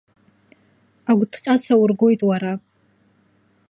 Агәҭҟьа саургоит уара!